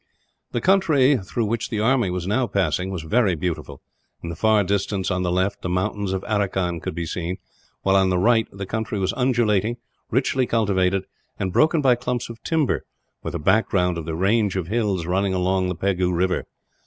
The country through which the army was now passing was very beautiful. In the far distance on the left, the mountains of Aracan could be seen; while on the right the country was undulating, richly cultivated, and broken by clumps of timber, with a background of the range of hills running along near the Pegu river.